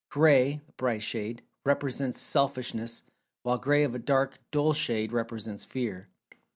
Gray (bright shade) represents Selfishness, while Gray of a dark dull shade represents Fear.